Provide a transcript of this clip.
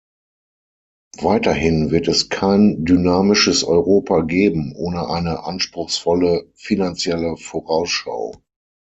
Weiterhin wird es kein dynamisches Europa geben ohne eine anspruchsvolle Finanzielle Vorausschau.